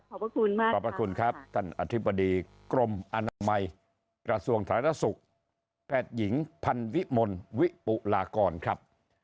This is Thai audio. ขอบคุณมากขอบพระคุณครับท่านอธิบดีกรมอนามัยกระทรวงธารณสุขแพทย์หญิงพันวิมลวิปุลากรครับ